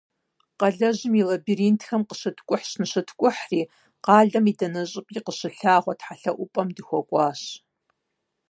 Къалэжьым и лабиринтхэм къыщыткӏухьщ ныщыткӀухьри, къалэм и дэнэ щӀыпӀи къыщылъагъуэ тхьэлъэӏупӏэм дыхуэкӀуащ.